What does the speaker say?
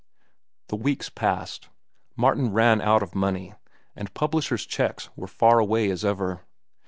The weeks passed. Martin ran out of money, and publishers' checks were far away as ever.